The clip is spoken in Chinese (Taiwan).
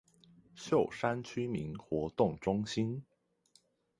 秀山區民活動中心